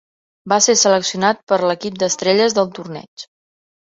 Va ser seleccionat per a l'equip d'estrelles del torneig.